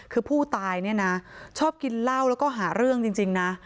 คือผู้ตายเนี่ยนะชอบกินเหล้าแล้วก็หาเรื่องจริงนะ